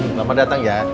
selamat datang ya